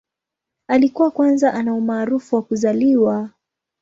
Alikuwa kwanza ana umaarufu wa kuzaliwa.